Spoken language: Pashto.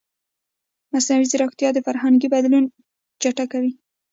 مصنوعي ځیرکتیا د فرهنګي بدلون چټکوي.